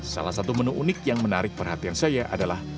salah satu menu unik yang menarik perhatian saya adalah